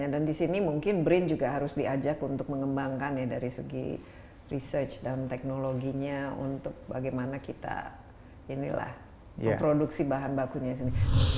tapi disini mungkin brain juga harus diajak untuk mengembangkan ya dari segi research dan teknologinya untuk bagaimana kita inilah memproduksi bahan bakunya disini